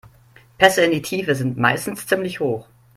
Pässe in die Tiefe sind meistens ziemlich hoch.